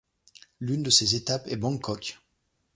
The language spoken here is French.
L'une de ses étapes est Bangkok.